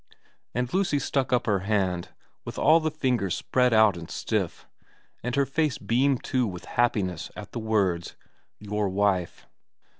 And Lucy stuck up her hand with all the fingers spread out and stiff, and her face beamed too with happiness at the words, ' Your wife.'